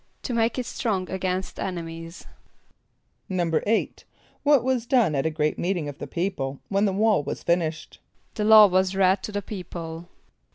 =To make it strong against enemies.= =8.= What was done at a great meeting of the people when the wall was finished? =The law was read to the people.